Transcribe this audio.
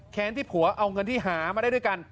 ที่ผัวเอาเงินที่หามาได้ด้วยกัน